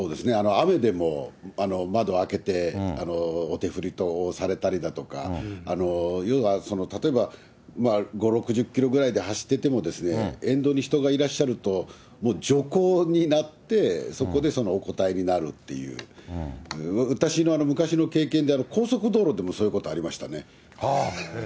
雨でも、窓を開けて、お手振り等をされたりだとか、要は、例えば、５、６０キロぐらいで走ってても、沿道に人がいらっしゃると、もう徐行になって、そこでそのお応えになるという、私の昔の経験で、高速道路でもそういうことありましたね。